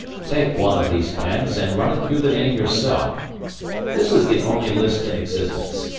"Take one of these pens and run it through the name yourself. This is the only list in existence.